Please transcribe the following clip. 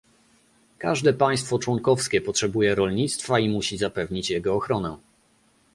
Każde państwo członkowskie potrzebuje rolnictwa i musi zapewnić jego ochronę